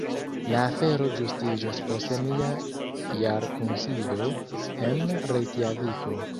La afero ĝustiĝos post nia jarkunsido en Rejkjaviko.